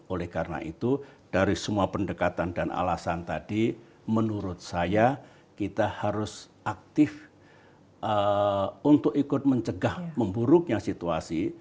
oleh karena itu dari semua pendekatan dan alasan tadi menurut saya kita harus aktif untuk ikut mencegah memburuknya situasi